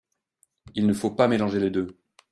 Il ne faut pas mélanger les deux.